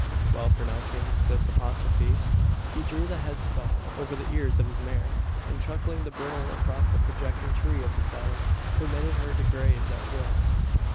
While pronouncing this apostrophe, he drew the head stall over the ears of his mare; and, chucking the bridle across the projecting tree of the saddle, permitted her to graze at will.